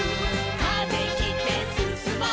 「風切ってすすもう」